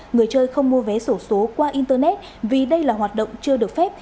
người chơi không mua vé sổ số qua internet vì đây là hoạt động chưa được phép